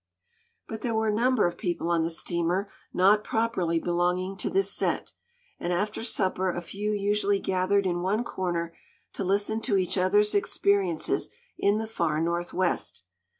But there were a number of people on the steamer not properly belonging to this set, and after supper a few usually gathered in one corner to listen to each other's experiences in the far Northwest.